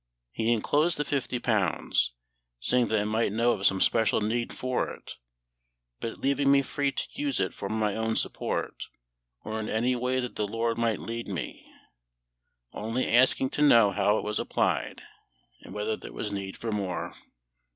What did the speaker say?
He enclosed the £50, saying that I might know of some special need for it; but leaving me free to use it for my own support, or in any way that the LORD might lead me; only asking to know how it was applied, and whether there was need for more.